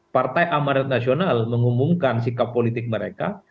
partai amarat nasional mengumumkan sikap politik mereka